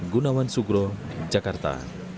gunawan sugro jakarta